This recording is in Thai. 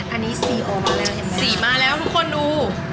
อันนี้ซีโอมาแล้วเห็น๔มาแล้วทุกคนดู